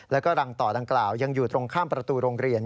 แล้วก็รังต่อดังกล่าวยังอยู่ตรงข้ามประตูโรงเรียน